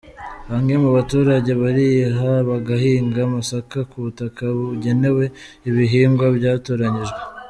Bamwe mu baturage bariyiba bagahinga amasaka ku butaka bugenewe ibihingwa byatoranyijwe.